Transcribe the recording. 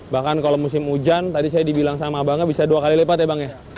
bahkan kalau musim hujan tadi saya dibilang sama abangnya bisa dua kali lipat ya bang ya